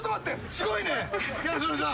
すごいね！